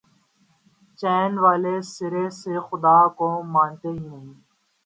چین والے سرے سے خدا کو مانتے ہی نہیں۔